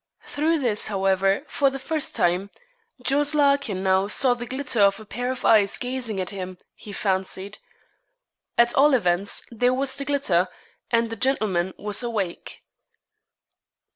Through this, however, for the first time, Jos. Larkin now saw the glitter of a pair of eyes gazing at him, he fancied. At all events there was the glitter, and the gentleman was awake.